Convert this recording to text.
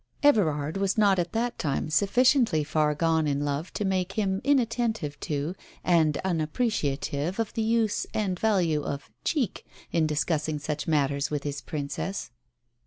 Everard was not at that time sufficiently far golie in love to make him inattentive to, and unappreciative of the use and value of "cheek," in discussing such matters with his princess.